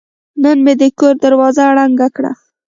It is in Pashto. نن مې د کور دروازه رنګ کړه.